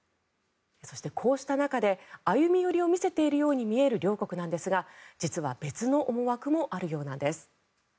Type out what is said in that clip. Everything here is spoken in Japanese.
そしてこうした中で歩み寄りを見せているように見える両国ですが実は別の思惑もあるようなんです。